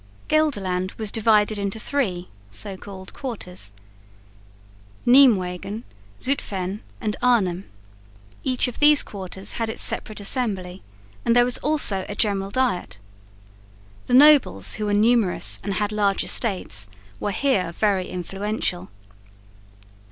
Gelderland was divided into three (so called) quarters, Nijmwegen, Zutphen and Arnhem. Each of these quarters had its separate assembly; and there was also a general diet. The nobles, who were numerous and had large estates, were here very influential.